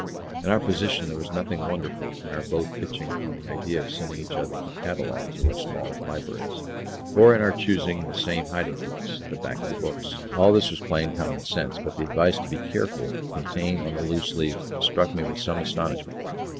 In our position there was nothing wonderful in our both pitching on the idea of sending each other the catalogues of our small libraries, or in our choosing the same hiding place the back of the books; all this was plain common sense; but the advice to be careful contained on the loose leaf struck me with some astonishment.